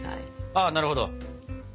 ああなるほど。